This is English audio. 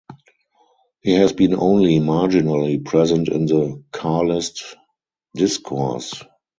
He has been only marginally present in the Carlist discourse.